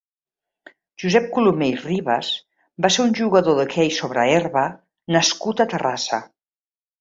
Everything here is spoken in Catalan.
Josep Colomer i Ribas va ser un jugador d'hoquei sobre herba nascut a Terrassa.